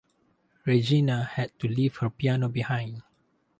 Regina had to leave her piano behind.